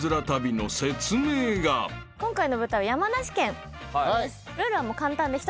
今回の舞台は山梨県です。